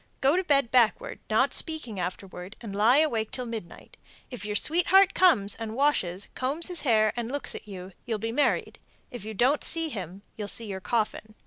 Go to bed backward, not speaking afterwards, and lie awake till midnight. If your sweetheart comes and washes, combs his hair, and looks at you, you'll be married. If you don't see him, you'll see your coffin.